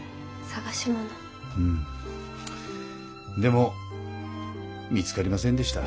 うんでも見つかりませんでした。